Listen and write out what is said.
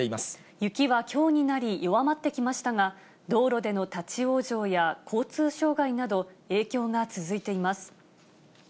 雪はきょうになり弱まってきましたが、道路での立往生や交通障害など、影響が続いています。